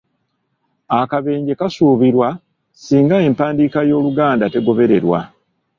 Akabenje kasuubirwa singa empandiika y’Oluganda tegobererwa!